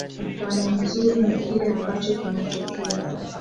mfano mzuri ni kile ambacho kinatokea